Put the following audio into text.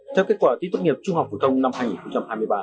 theo kết quả thi tốt nghiệp trung học phổ thông năm hai nghìn hai mươi ba